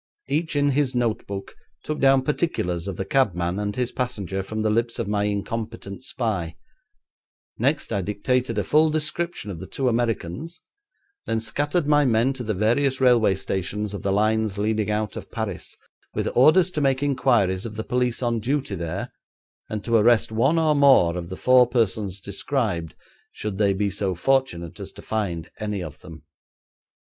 Each in his notebook took down particulars of the cabman and his passenger from the lips of my incompetent spy; next I dictated a full description of the two Americans, then scattered my men to the various railway stations of the lines leading out of Paris, with orders to make inquiries of the police on duty there, and to arrest one or more of the four persons described should they be so fortunate as to find any of them.